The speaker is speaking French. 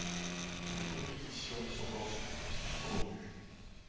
Les compétitions sont ensuite suspendues.